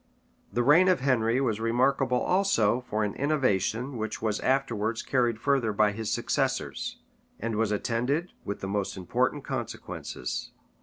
The reign of Henry was remarkable also for an innovation which was afterwards carried further by his successors, and was attended with the most important consequences.